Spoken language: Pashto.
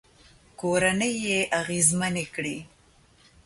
کورنۍ يې اغېزمنې کړې